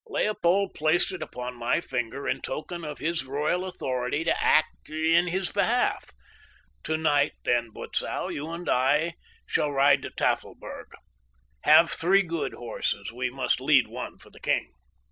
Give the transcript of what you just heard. "Leopold placed it upon my finger in token of his royal authority to act in his behalf. Tonight, then Butzow, you and I shall ride to Tafelberg. Have three good horses. We must lead one for the king."